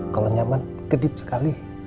kalau nyaman kedip sekali